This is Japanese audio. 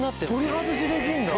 取り外しできるんだ？